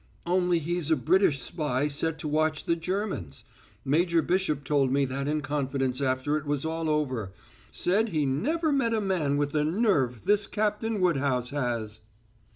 "Only he's a British spy set to watch the Germans. Major Bishop told me that in confidence after it was all over said he'd never met a man with the nerve this Captain Woodhouse has."